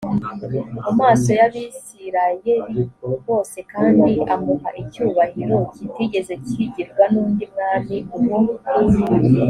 mu maso y abisirayeli bose kandi amuha icyubahiro kitigeze kigirwa n undi mwami uwo